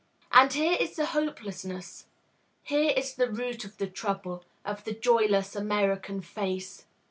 And here is the hopelessness, here is the root of the trouble, of the joyless American face.